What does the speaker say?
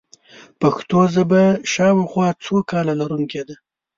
پښتو ژبه شاوخوا څو کاله لرونکې ده.